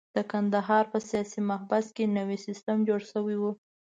د کندهار په سیاسي محبس کې نوی سیستم جوړ شوی وو.